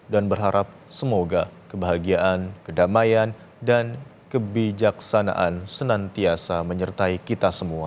dan berharap semoga kebahagiaan kedamaian dan kebijaksanaan senantiasa menyertai kita semua